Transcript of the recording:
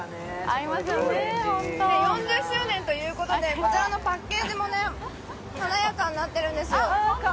４０周年ということでこちらのパッケージも華やかになっているんですよ。